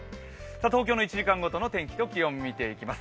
東京の１時間ごとの天気と気温見ていきます。